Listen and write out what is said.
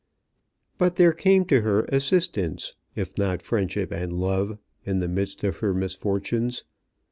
But there came to her assistance, if not friendship and love, in the midst of her misfortunes.